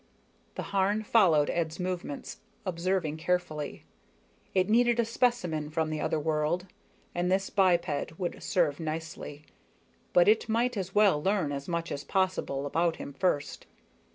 _The Harn followed Ed's movements, observing carefully. It needed a specimen from the other world, and this biped would serve nicely, but it might as well learn as much as possible about him first.